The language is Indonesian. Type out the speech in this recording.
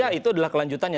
ya itu adalah kelanjutannya